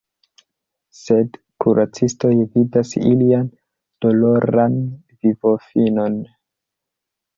Sed kuracistoj vidas ilian doloran vivofinon.